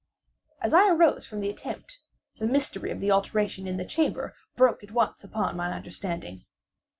As I arose from the attempt, the mystery of the alteration in the chamber broke at once upon my understanding.